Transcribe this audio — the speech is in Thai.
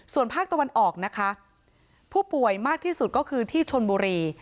ส่วนภาคตะวันออกนะคะผู้ป่วยมากที่สุดก็คือที่ชนบุรี